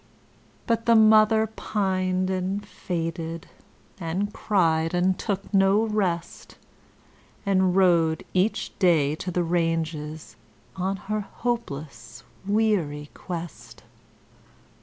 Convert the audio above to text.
But the mother pined and faded, and cried, and took no rest, And rode each day to the ranges on her hopeless, weary quest.